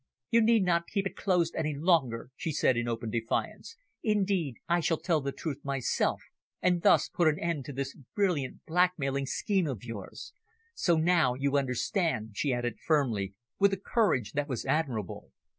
"You need not keep it closed any longer," she said in open defiance. "Indeed, I shall tell the truth myself, and thus put an end to this brilliant blackmailing scheme of yours. So now you understand," she added firmly, with a courage that was admirable.